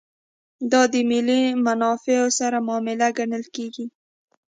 دا د ملي منافعو سره معامله ګڼل کېږي.